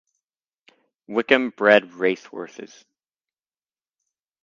Wickham bred racehorses.